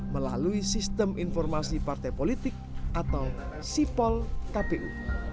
melalui sistem informasi partai politik atau sipol kpu